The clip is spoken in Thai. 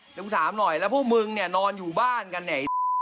เดี๋ยวกูถามหน่อยแล้วพวกมึงเนี่ยนอนอยู่บ้านกันเนี่ย